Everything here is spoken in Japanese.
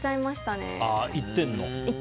行ってるの？